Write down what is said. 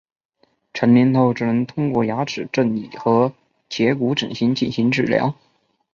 成年后只能通过牙齿正畸和截骨整形进行治疗。